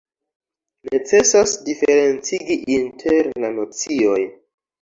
Necesas diferencigi inter la nocioj.